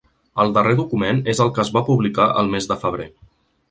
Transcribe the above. El darrer document és el que es va publicar el mes de febrer.